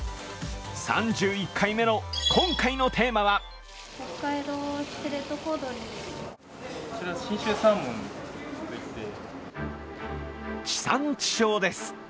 ３１回目の今回のテーマは地産地消です。